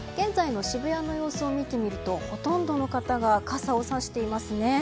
現在の渋谷の様子を見てみるとほとんどの方が傘をさしていますね。